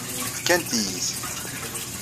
Fkant-iyi-t.